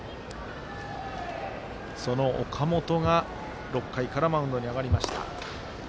その岡本が６回からマウンドに上がりました。